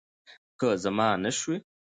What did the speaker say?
که زما نه شوی